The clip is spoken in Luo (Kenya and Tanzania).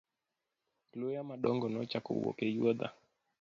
Luya madongo nochako wuok e yuotha.